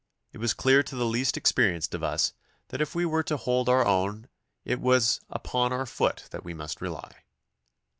It was clear to the least experienced of us that if we were to hold our own it was upon our foot that we must rely.